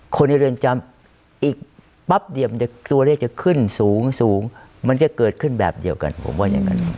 คนในเรือนจำอีกปั๊บเดียวตัวเลขจะขึ้นสูงมันจะเกิดขึ้นแบบเดียวกันผมว่าอย่างนั้น